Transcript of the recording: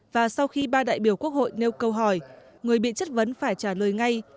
và sau khi ba đại biểu quốc hội nêu câu hỏi người bị chất vấn phải trả lời ngay